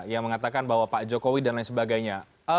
yang mengatakan bahwa pak jokowi dan lain sebagainya